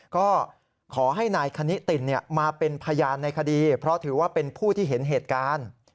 ก็ขอให้นายคณิตินมาเป็นพยานในคดีเพราะถือว่าเป็นผู้ที่เห็นเหตุการณ์